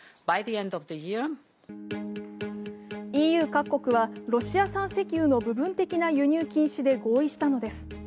ＥＵ各国はロシア産石油の部分的な輸入禁止で合意したのです。